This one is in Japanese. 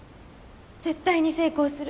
絶対に成功する。